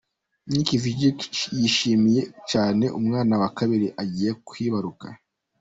Nick Vujicic yishimiye cyane umwana wa kabiri agiye kwibaruka.